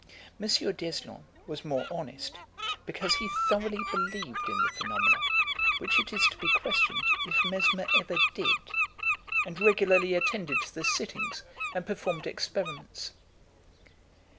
M. D'Eslon was more honest, because he thoroughly believed in the phenomena, which it is to be questioned if Mesmer ever did, and regularly attended the sittings and performed experiments.